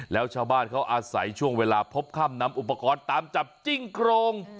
แล้วชาวบ้านเขาอาศัยช่วงเวลาพบค่ำนำอุปกรณ์ตามจับจิ้งกรง